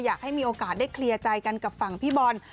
อยากให้มีโอกาสได้เคลียร์ใจกันกับฝั่งพี่บอล